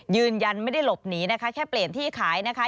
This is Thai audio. ยืนยันไม่ได้หลบหนีนะคะแค่เปลี่ยนที่ขายนะคะ